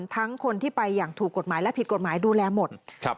ทั้งคนที่ไปอย่างถูกกฎหมายและผิดกฎหมายดูแลหมดครับ